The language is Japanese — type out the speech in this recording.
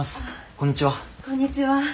こんにちは。